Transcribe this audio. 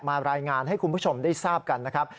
รายงานให้คุณผู้ชมได้ทราบกันนะครับ